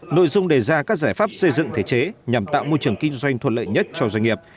nội dung đề ra các giải pháp xây dựng thể chế nhằm tạo môi trường kinh doanh thuận lợi nhất cho doanh nghiệp